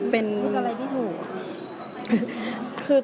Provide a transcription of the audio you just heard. พูดอะไรที่ถูก